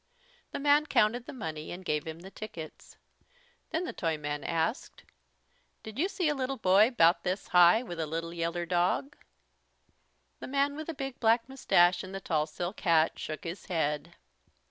The man counted the money and gave him the tickets. Then the Toyman asked: "Did you see a little boy 'bout this high, with a little yeller dog?" The man with the big black moustache and the tall silk hat shook his head.